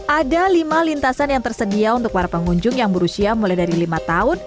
ada lima lintasan yang tersedia untuk para pengunjung yang berusia mulai dari lima tahun